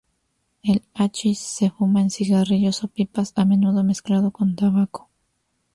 El hachís se fuma en cigarrillos o pipas, a menudo mezclado con tabaco.